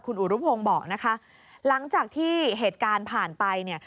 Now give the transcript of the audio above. คุณอุรุพงศ์บอกนะคะหลังจากที่เหตุการณ์ผ่านไปเนี่ย